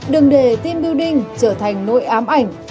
đừng để team building trở thành nội ám ảnh